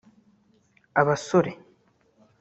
abasore